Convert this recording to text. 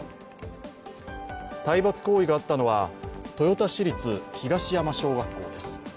体罰行為があったのは、豊田市立東山小学校です。